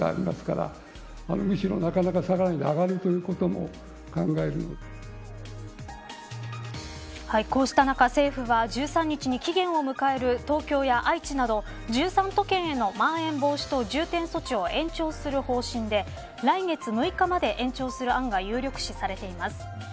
こうした中、政府は１３日に期限を迎える東京や愛知など１３都県へのまん延防止等重点措置を延長する方針で、来月６日まで延長する案が有力視されています。